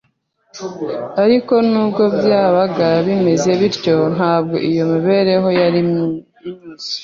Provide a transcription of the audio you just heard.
Ariko nubwo byabaga bimeze bityo ntabwo iyo mibereho yari inyuze